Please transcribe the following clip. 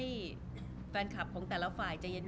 รูปนั้นผมก็เป็นคนถ่ายเองเคลียร์กับเรา